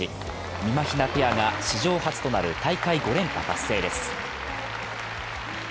みまひなペアが史上初となる大会５連覇達成です。